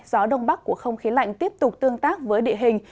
gió đông bắc của không khí lạnh tiếp tục tương tác với địa hình